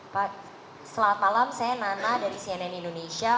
pak selamat malam saya nana dari cnn indonesia